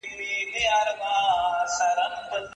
د تيارو اجاره دار محتسب راغى